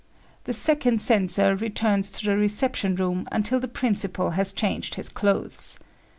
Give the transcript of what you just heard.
The second censor returns to the reception room until the principal has changed his clothes.